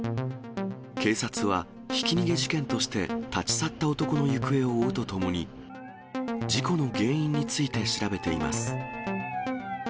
警察はひき逃げ事件として立ち去った男の行方を追うとともに、事故の原因について調べています。